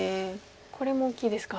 これも大きいですか。